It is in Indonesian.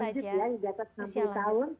ya di jatuh enam puluh tahun